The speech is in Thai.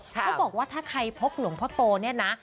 เขาบอกว่าถ้าใครพบหลวงพ่อโตเนี่ยนะ